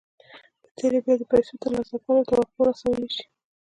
په تېره بیا د پیسو ترلاسه کولو توقع رسولای شئ